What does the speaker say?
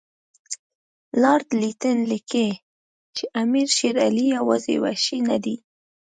لارډ لیټن لیکي چې امیر شېر علي یوازې وحشي نه دی.